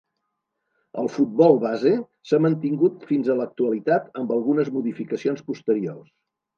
El futbol base s'ha mantingut fins a l'actualitat amb algunes modificacions posteriors.